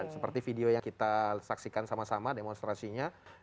seperti video yang kita saksikan sama sama demonstrasinya